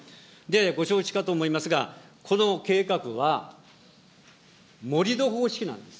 ご承知かと思いますが、この計画は、盛り土方式なんです。